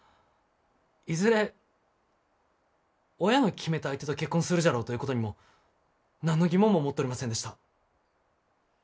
いずれ親の決めた相手と結婚するじゃろうということにも何の疑問も持っとりませんでした。